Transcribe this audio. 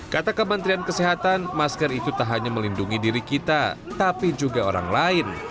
kata kementerian kesehatan masker itu tak hanya melindungi diri kita tapi juga orang lain